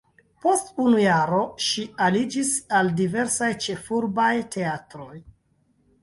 Post unu jaro ŝi aliĝis al diversaj ĉefurbaj teatroj.